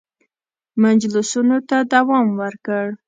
مجلسونو ته دوام ورکړ.